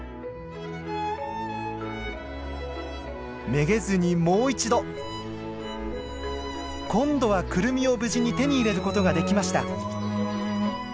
めげずにもう一度。今度はクルミを無事に手に入れることができました。